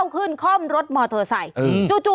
เบิร์ตลมเสียโอ้โห